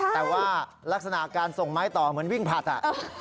แต่ว่าลักษณะการส่งไม้ต่อเหมือนวิ่งผลัดอ่ะ